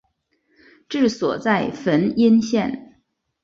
治所在汾阴县。